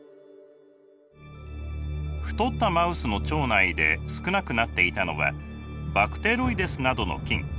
太ったマウスの腸内で少なくなっていたのはバクテロイデスなどの菌。